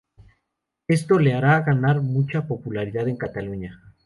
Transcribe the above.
Esto le hará ganar mucha popularidad en Cataluña.